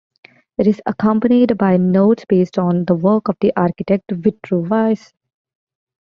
It is accompanied by notes based on the work of the architect Vitruvius.